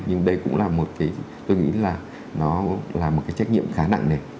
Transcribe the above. nhưng đây cũng là một cái tôi nghĩ là nó là một cái trách nhiệm khá nặng nề